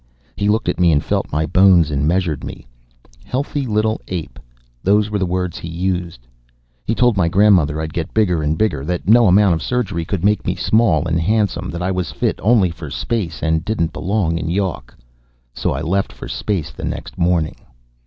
He looked at me and felt my bones and measured me. 'Healthy little ape' those were the words he used. He told my grandmother I'd get bigger and bigger, that no amount of surgery could make me small and handsome, that I was fit only for space and didn't belong in Yawk. So I left for space the next morning."